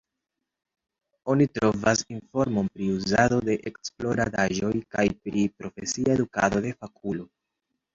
Oni trovas informon pri uzado de eksplodaĵoj kaj pri profesia edukado de fakulo.